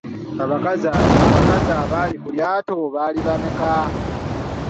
Abakazi abaali ku lyato baali bameka?